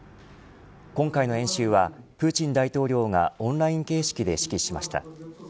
今回の演習はプーチン大統領がオンライン形式で指揮しました。